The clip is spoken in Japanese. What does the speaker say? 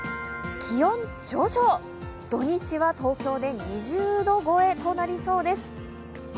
気温上昇、土日は東京で２０度超えとなりそうです。